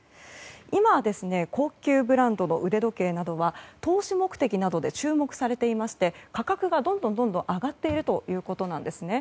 今、高級ブランドの腕時計などは投資目的などで注目されていまして価格がどんどん上がっているということなんです。